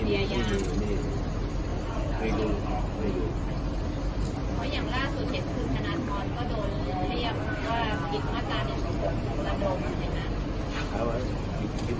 อย่างทำบตรงจันทร์